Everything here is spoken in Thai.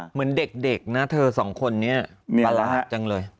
เหมือนเด็กเด็กนะเธอสองคนนี้นี่แหละจังเลย